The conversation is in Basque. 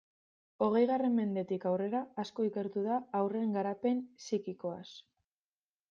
Hogeigarren mendetik aurrera asko ikertu da haurren garapen psikikoaz.